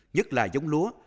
nhất là giống lúa